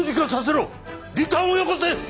リターンをよこせ！